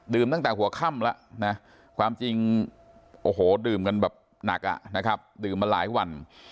ดื่มตั้งแต่หัวค่ำละนะความจริงดื่มกันแบบหนักนะครับดื่มมาหลายวัน